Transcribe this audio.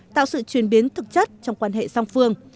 tạo sự chuyển biến thực chất trong quan hệ song phương